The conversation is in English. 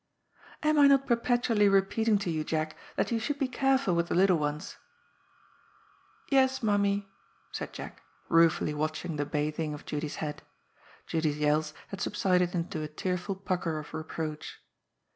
'^ Am I not perpetually repeating to you, Jack, that you should be careful with the little ones ?"" Yes, Mammie," said Jack, ruefully watching the bath ing of Judy's head. Judy's yells had subsided into a tear ful pucker of reproach.